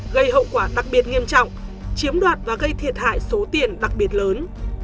gây hậu quả đặc biệt nghiêm trọng chiếm đoạt và gây thiệt hại số tiền đặc biệt lớn